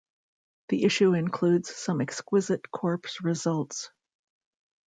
The issue includes some exquisite corpse results.